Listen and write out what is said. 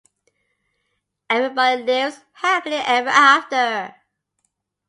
Everybody lives happily ever after.